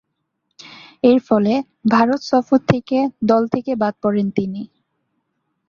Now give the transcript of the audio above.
এরফলে ভারত সফর থেকে দল থেকে বাদ পড়েন তিনি।